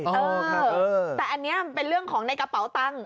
เออแต่อันนี้มันเป็นเรื่องของในกระเป๋าตังค์